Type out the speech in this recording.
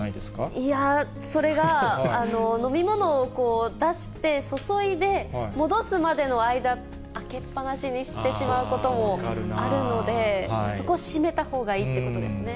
いやー、それが、飲み物を出して、注いで、戻すまでの間、開けっ放しにしてしまうこともあるので、そこを閉めたほうがいいってことですね。